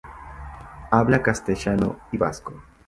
Habla castellano y vasco.